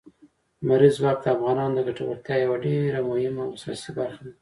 لمریز ځواک د افغانانو د ګټورتیا یوه ډېره مهمه او اساسي برخه ده.